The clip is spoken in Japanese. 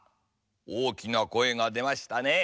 おおきなこえがでましたね。